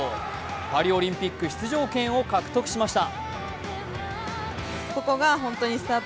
パリオリンピック出場権を獲得しました。